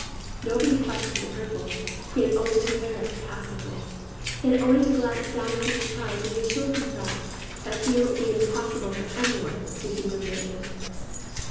Nobody questioned the purple; he had only to wear it passively. He had only to glance down at his attire to reassure himself that here it would be impossible for anyone to humiliate him.